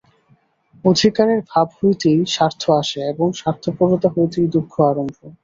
অধিকারের ভাব হইতেই স্বার্থ আসে এবং স্বার্থপরতা হইতেই দুঃখ আরম্ভ।